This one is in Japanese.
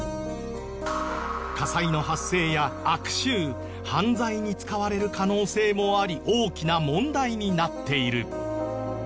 火災の発生や悪臭犯罪に使われる可能性もあり大きな問題になっている。